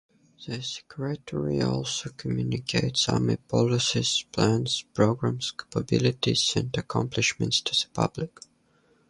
The Secretary also communicates Army policies, plans, programs, capabilities, and accomplishments to the public.